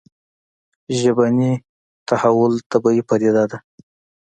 ژبني تحول طبیعي پديده ده